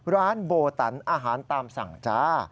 ร้านโบตันอาหารตามสั่งจ้า